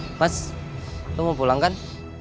mas lu mau pulang kan